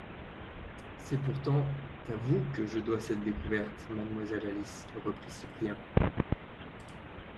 C’est pourtant à vous que je dois cette découverte, mademoiselle Alice! reprit Cyprien.